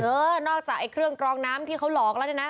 เออนอกจากเครื่องกรองน้ำที่เขาหลอกแล้วนะ